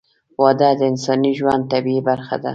• واده د انساني ژوند طبیعي برخه ده.